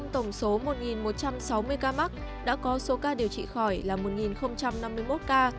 trong tổng số một một trăm sáu mươi ca mắc đã có số ca điều trị khỏi là một năm mươi một ca